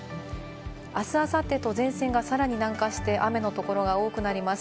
あす、あさってと前線がさらに南下して雨のところが多くなります。